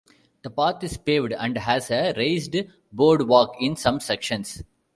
The path is paved and has a raised boardwalk in some sections.